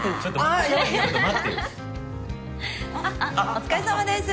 お疲れさまです。